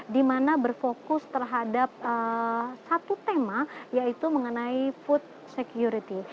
di mana berfokus terhadap satu tema yaitu mengenai food security